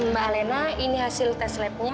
mbak alena ini hasil tes labnya